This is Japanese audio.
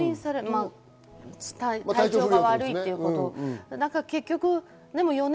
体調が悪いということですよね。